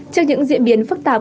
trước những diễn biến phức tạp